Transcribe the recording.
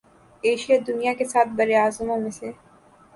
Asia دنیا کے سات براعظموں میں سے